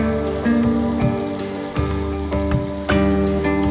supaya kemudian kalau memang resapan ini benar benar fungsinya adalah sebagai resapan tidak beralih